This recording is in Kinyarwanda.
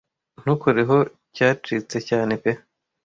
ntukoreho cyacitse cyane pe